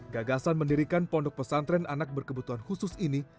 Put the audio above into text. gagasan mendirikan pondok pesantren anak berkebutuhan khusus ini